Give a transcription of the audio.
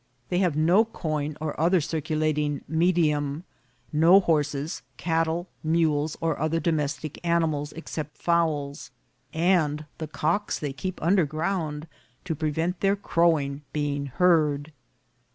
They have no coin or other circulating medium ; no horses, cattle, mules, or other domestic animals except fowls, and the cocks they keep under ground to prevent their crowing being heard.